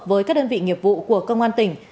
với các đơn vị nghiệp vụ của công an tỉnh